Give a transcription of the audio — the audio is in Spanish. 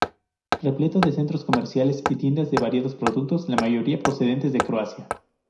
Repleto de centros comerciales y tiendas de variados productos, la mayoría procedentes de Corea.